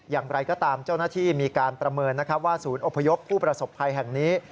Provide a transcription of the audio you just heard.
อย่างไรก็ตามเจ้าหน้าที่มีการประเมินนะครับว่าศูนย์อพยพผู้ประสบภัยแห่งนี้